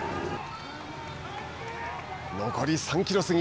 残り３キロ過ぎ。